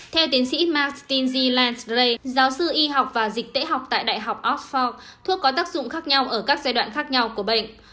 theo tiến sĩ martin z lansley giáo sư y học và dịch tễ học tại đại học oxford thuốc có tác dụng khác nhau ở các giai đoạn khác nhau của bệnh